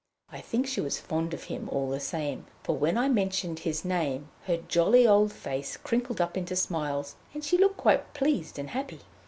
I think she was fond of him, all the same, for when I mentioned his name her jolly old face crinkled up into smiles, and she looked quite pleased and happy.